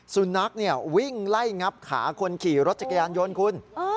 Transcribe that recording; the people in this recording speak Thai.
สุนัขวิ่งไล่งับขาคนขี่รถจักรยานยนต์คุณ